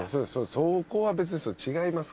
そこは別に違いますから。